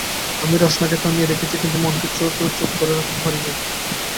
আমি রসনাকে থামিয়ে রেখেছি কিন্তু মনকে তো চুপ করিয়ে রাখতে পারি নি।